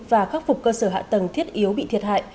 và khắc phục cơ sở hạ tầng thiết yếu bị thiệt hại